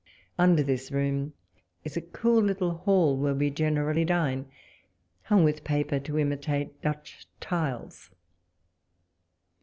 Under this room is a cool little hall, where we generally dine, hung with paper to imitate Dutch tiles.